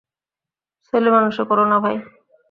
ছেলেমানুষি কোরো না ভাই!